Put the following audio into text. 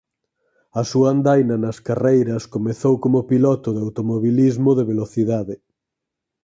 A súa andaina nas carreiras comezou como piloto de automobilismo de velocidade.